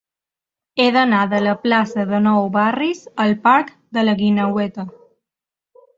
He d'anar de la plaça de Nou Barris al parc de la Guineueta.